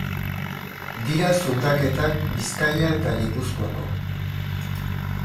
Dira zundaketak Bizkaia eta Gipuzkoako.